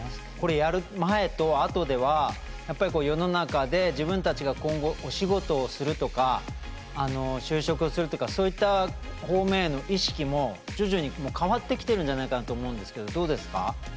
これやる前とあとではやっぱりこう世の中で自分たちが今後お仕事をするとかあの就職するとかそういった方面への意識も徐々にもう変わってきてるんじゃないかなと思うんですけどどうですか？